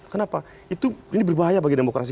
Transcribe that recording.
kenapa ini berbahaya bagi demokrasi